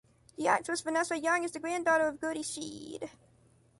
The actress Vanessa Jung is the granddaughter of Gerty Schiede.